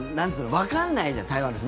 わかんないじゃん、台湾の人。